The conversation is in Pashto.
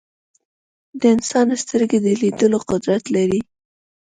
د انسان سترګې د لیدلو قدرت لري.